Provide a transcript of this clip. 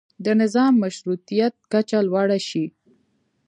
د نظام مشروطیت کچه لوړه شي.